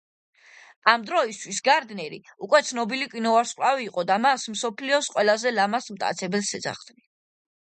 ამ დროისთვის გარდნერი უკვე ცნობილი კინოვარსკვლავი იყო და მას „მსოფლიოს ყველაზე ლამაზ მტაცებელს“ ეძახდნენ.